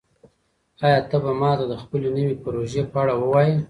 آیا ته به ماته د خپلې نوې پروژې په اړه ووایې؟